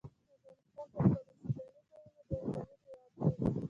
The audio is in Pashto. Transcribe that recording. افغانستان په خپلو سیلاني ځایونو ډېر غني هېواد دی.